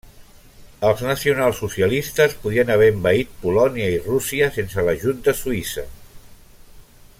Els nacionalsocialistes podien haver envaït Polònia i Rússia sense l'ajut de Suïssa.